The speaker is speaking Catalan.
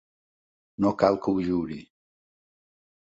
No cal que ho juri.